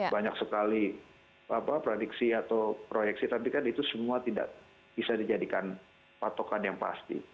banyak sekali prediksi atau proyeksi tapi kan itu semua tidak bisa dijadikan patokan yang pasti